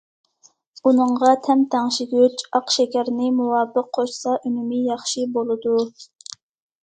ئۇنىڭغا تەم تەڭشىگۈچ، ئاق شېكەرنى مۇۋاپىق قوشسا ئۈنۈمى ياخشى بولىدۇ.